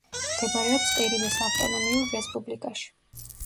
მდებარეობს ყირიმის ავტონომიურ რესპუბლიკაში.